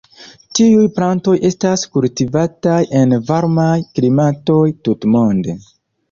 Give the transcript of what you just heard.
Tiuj plantoj estas kultivataj en varmaj klimatoj tutmonde.